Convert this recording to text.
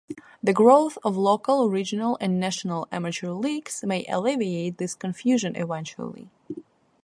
The growth of local, regional and national amateur leagues may alleviate this confusion eventually.